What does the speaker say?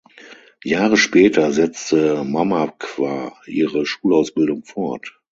Jahre später setzte Mamakwa ihre Schulausbildung fort.